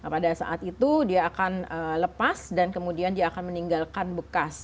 pada saat itu dia akan lepas dan kemudian dia akan meninggalkan bekas